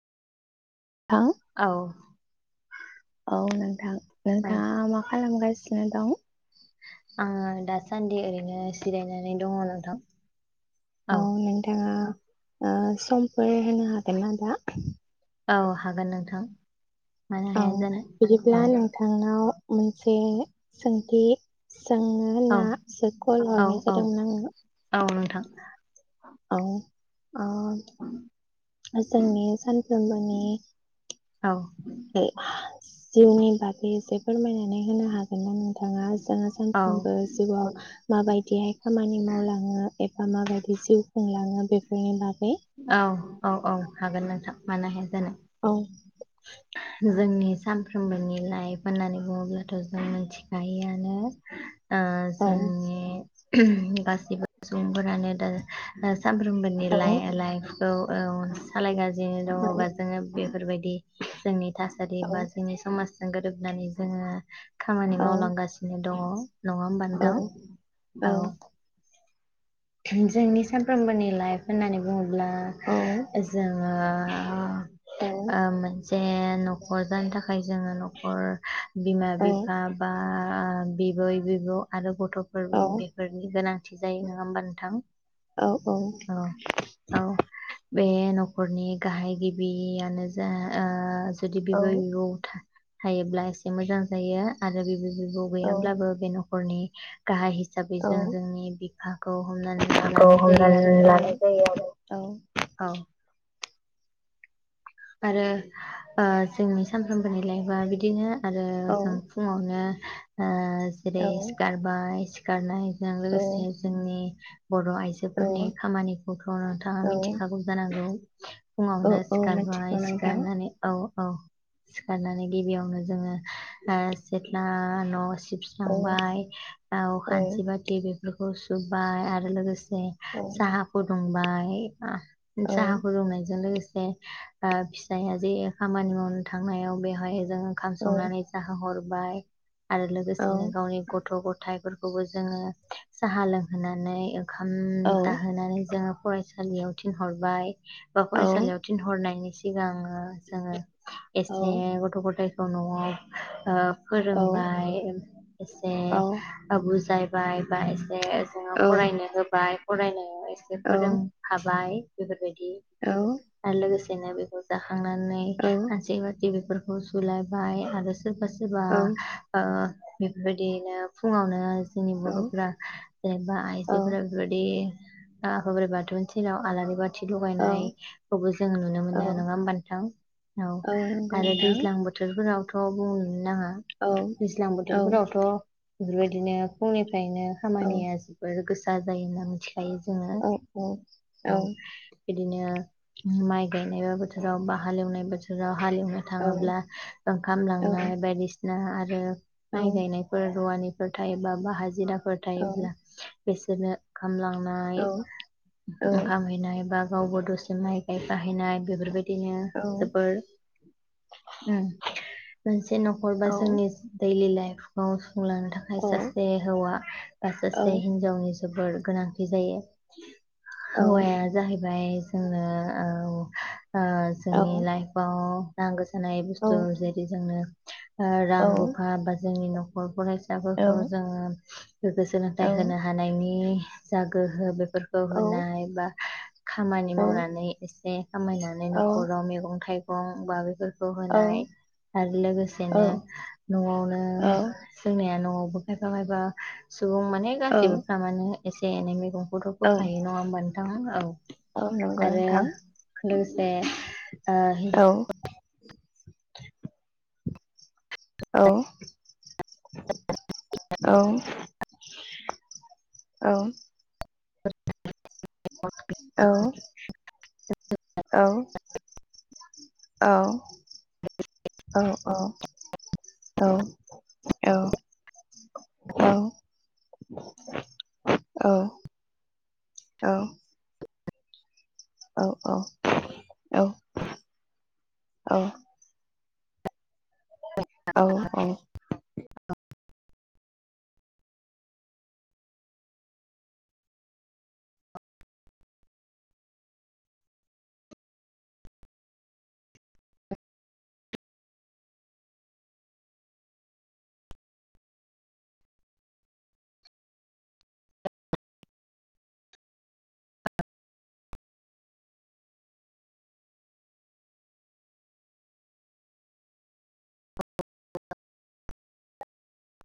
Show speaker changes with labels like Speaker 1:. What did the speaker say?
Speaker 1: थां
Speaker 2: औ
Speaker 1: औ नोंथां
Speaker 2: औ
Speaker 1: नोंथां मा खालामगा [unintelligible]
Speaker 2: आङो दासान्दि ओरैनो जिरायनानै दङ नोंथां
Speaker 1: औ नोंथाङा ओ समफोर होनो हागोनना दा
Speaker 2: औ हागोन नोंथां मानो
Speaker 1: औ
Speaker 2: हाया जानो औ
Speaker 1: बिदिब्ला नोंथांनाव मोनसे सोंथि सोंनो
Speaker 2: औ
Speaker 1: होननासो खल
Speaker 2: औ
Speaker 1: हरनाय
Speaker 2: औ
Speaker 1: जादोंमोन
Speaker 2: औ नोंथां
Speaker 1: आङो औ ओ जोंनि सानफ्रोमबोनि
Speaker 2: औ
Speaker 1: दे जिउनि बागै एसे फोरमायना नै होनो हागोनना नोंथाङा जोंहा
Speaker 2: औ
Speaker 1: सानफ्रामबो जिउ आव माबायदिहाय खामानि मावलाङो एबा मा बायदि जिउ खुंलाङो बेफोनि बागै
Speaker 2: औ-औ-औ हागोन नोंथां मानो हाया जानो
Speaker 1: औ
Speaker 2: जोंनि सानफ्रोमबोनि लाइफ होननानै बुङोब्लाथ' जों मिथिखायोआनो ओ
Speaker 1: उम
Speaker 2: जोंनि गासिबो सुबुंफोरानो दा सामफ्रोमबोनि
Speaker 1: नाखौ
Speaker 2: लाइ
Speaker 1: हमनानै
Speaker 2: लाइफखौ औ सालायगा सिनो दङ बा जोङो बेफोरबायदि जोंनि थासारि बा जोंनि समाज जों गोरोबनानै जोङो खामानि मावलांगासिनो दङ नङा नोंथां औ जोंनि सामफ्रोमबोनि लाइफ होननानै बुङो ब्ला जोङो ओ मोनसे न'खर जानो थाखाय जोङो न'खर बिमा बिफा बा आ बिबै, बिब' आरो गथ'फोर बेफोरनि गोनांथि जायो नङा होमबा नो?
Speaker 1: औ-औ
Speaker 2: औ बे न'खरनि गाहाय गिबियानो जा ओ जुदि बिबै- बिबौ था हायो ब्ला एसे मोजां जायो। आरो बिबै बिब' गैयाब्लाबो बे न'खरनि गाहाय हिसाबै जों जोंनि बिफाखौ हमनानै
Speaker 1: बिफाखौ
Speaker 2: लानाय जायो
Speaker 1: हमनानै
Speaker 2: आरो
Speaker 1: लानाय जायो। औ।
Speaker 2: औ आरो ओ जोंनि सानफ्रोमबोनि लाइफआ बिदिनो आरो जों फुङावनो ओ जेरै सिखारबाय सि गानाय आरो लोगोसे जोंनि बर' आइजोफोरनि खामानिखौथ' नोंथाङा मिथिखागौ जानांगौ
Speaker 1: औ
Speaker 2: फुङावनो
Speaker 1: औ
Speaker 2: सिखार
Speaker 1: मिथिगौ
Speaker 2: बाय
Speaker 1: नोंथां
Speaker 2: सिखायनानै औ। औ सिखारनानै गिबियावनो जोङो सेथ्ला न'।
Speaker 1: औ
Speaker 2: सिबस्रांबाय औ खानसि बाथि बे सुब बाय आरो लोगोसे
Speaker 1: औ
Speaker 2: साहा फुदुं बाय
Speaker 1: औ
Speaker 2: साहाखौ फुदुंनायजों लोगोसे ए ओ फिसाया जे खामानि मावनो थांनायाव बेवहाय। जों ओंखाम
Speaker 1: औ
Speaker 2: संनानै जाहो हर बाहाय आरो
Speaker 1: औ
Speaker 2: लोगोसेनो गावनि गथ' गथायाइ फोरख खौबो जोङो साहा लोंहोनानै ओं खामदाहोनानै जोङो फरायसा सालियाव थिनहरबाय बा
Speaker 1: औ
Speaker 2: फरायसालियाव थिनहरनायनि सिगां ओ जोङो
Speaker 1: औ औ
Speaker 2: एसे गथ' गथाय द न'आव ओ फोरोंबाय गोसे
Speaker 1: औ
Speaker 2: बुजाय बाय बाय जे जोङो
Speaker 1: औ
Speaker 2: फरायनो होबाय फरायनायाव ए से फोरोंफाबाय [unintelligible] दि आरो लोगोसे जेने बुजा खांनानै हांसेै बाथि बेफोर बसलायबाय आरो सोरबा सोरबा ओ बेफोरबायदियैनो फुङावनो जोंनि बर'फ्रा जेनेबा
Speaker 1: औ
Speaker 2: आइजोफोरा बेबायदि आफा बोराइ बाथौनि सेराव आलारि बा थि
Speaker 1: औ
Speaker 2: लगायनायखौबो जोङो नुनो मोन
Speaker 1: औ
Speaker 2: नो नङा होमबा नोंथां? औ
Speaker 1: नंगौ
Speaker 2: आरो
Speaker 1: नोंथां
Speaker 2: दैज्लां बोथोरफोराव थ' बुं नाङा
Speaker 1: औ
Speaker 2: दैज्लां
Speaker 1: औ
Speaker 2: बोथोरफोरावथ' बेफोरबायदिनो फुंनि फायनो खामानिया जोबोर गो सा जायो मोन्थि
Speaker 1: औ औ औ
Speaker 2: बिदिनो माइ गायनायबा बोथोराव ब हालेवनाय बोथो थोराव हालएवनो थाङोब्ला ओंखाम लांनाय बायदि आरो माय गायनाय फोर रुवानि फोर थायोब्ला बा हाजिरा फोर थायोब्ला बेसोरनो आमलांनाय ओंखाम हैनाय बा गावबो दसे माय गाय गाहैनाय बेफोरबाय दिनो जोबोर होम मोनसे न'खर बा जोंनि दैलि लाइफ अस लांनो थाखाय सासे हौवा बा सासे हिनजावनि जोबोर गोनांथि जायो। हौवाया जाहैबाय जोंना औ औ जोंनि लाइफआव नांगोस मोसानाय बुस्थु जेरै जोंनो रां रुफा बा जोंनि न'खर गरफोरा फिसाफोरखौ
Speaker 1: औ
Speaker 2: जोंङो गोग्गो
Speaker 1: औ
Speaker 2: सोलोंथाइ होनो हानायनि जागोहो बे फोरफोरखौ
Speaker 1: औ
Speaker 2: होनाय बा खामानि मावनानै एसे खामायनानै न'खराव मैगं थाइ गं बा बेफोर खौ होनाय आरो लोगोसेनो न'आवनो जोंनिया न'आव खायफा खायफा सुबुं माने गासिबो फ्रामानो एसे एने मेगं खौथ' फोखायो नङा होमबा नोंथां औ
Speaker 1: नंगौ
Speaker 2: आरो
Speaker 1: नोंथां
Speaker 2: लोगोसे
Speaker 1: औ
Speaker 2: ओ
Speaker 1: [unintelligible] औ औ औ औ औ औ। औ औ औ औ। औ औ औ। औ औ औ औ। औ औ।